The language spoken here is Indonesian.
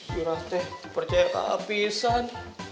jura teh percaya keapisan